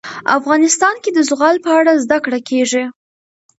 افغانستان کې د زغال په اړه زده کړه کېږي.